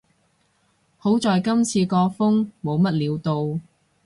好在今次個風冇乜料到